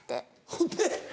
ほんで？